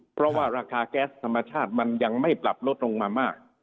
เพราะว่าราคาแก๊สธรรมชาติมันยังไม่ปรับลดลงมามาก